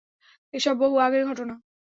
এসব বহু আগের ঘটনা।